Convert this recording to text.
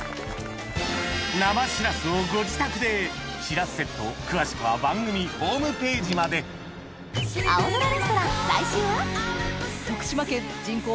生しらすをご自宅でしらすセット詳しくは番組ホームページまで徳島県人口